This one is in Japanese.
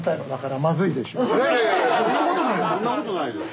いやいやいやいやそんなことないです。